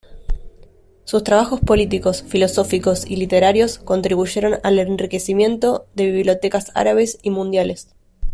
Sus trabajos políticos, filosóficos y literarios contribuyeron al enriquecimiento de bibliotecas árabes y mundiales.